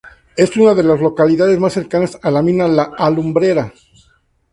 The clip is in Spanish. Es una de las localidades más cercanas a la mina La Alumbrera.